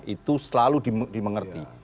itu selalu dimengerti